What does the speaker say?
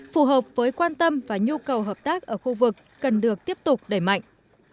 phù hợp với quan tâm và nhu cầu hợp tác ở khu vực cần được tiếp tục đẩy mạnh